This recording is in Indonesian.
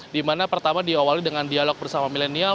dimana pertama diawali dengan dialog bersama milenial